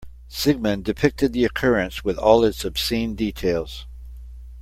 Sigmund depicted the occurrence with all its obscene details.